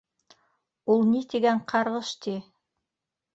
Ул ни тигән ҡарғыш ти?